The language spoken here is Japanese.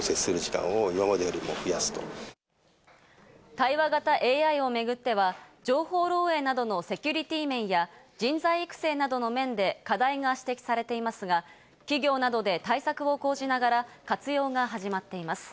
対話型ＡＩをめぐっては、情報漏えいなどのセキュリティー面や人材育成などの面で課題が指摘されていますが、企業などで対策を講じながら活用が始まっています。